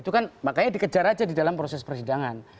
itu kan makanya dikejar aja di dalam proses persidangan